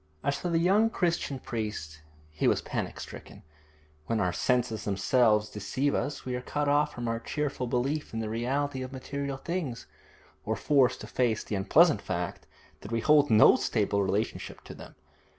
As for the young Christian priest, he was panic stricken. When our senses themselves deceive us we are cut off from our cheerful belief in the reality of material things, or forced to face the unpleasant fact that we hold no stable relationship to them.